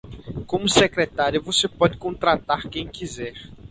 Como secretária, você pode contratar quem quiser.